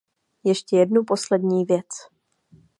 Ještě jednu poslední věc.